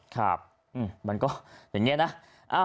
ครับมันก็อย่างนี้นะ